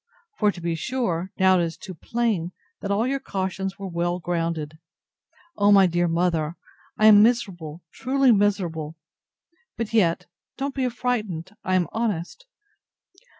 For to be sure, now it is too plain, that all your cautions were well grounded. O my dear mother! I am miserable, truly miserable!—But yet, don't be frightened, I am honest!